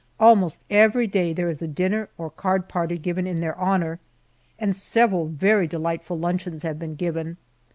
Almost every day there is a dinner or card party given in their honor, and several very delightful luncheons have been given.